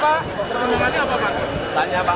pengembangannya apa pak